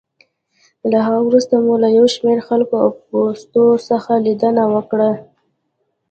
له هغه وروسته مو له یو شمېر خلکو او پوستو څخه لېدنه وکړه.